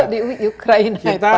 di jawa di ukraina itu paling banyak